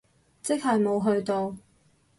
即係冇去到？